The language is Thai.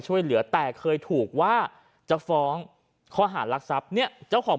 ช่วยเหลือแต่เคยถูกว่าจะฟ้องข้อหารักทรัพย์เนี่ยเจ้าของ